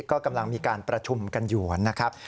ก็กำลังมีการประชุมกันอยู่นะครับ